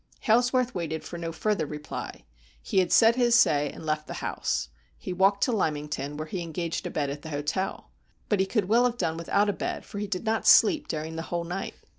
Hailsworth waited for no further reply. He had said his say and left the house. He walked to Lymington, where he engaged a bed at the hotel. But he could well have done without a bed, for he did not sleep during the whole night.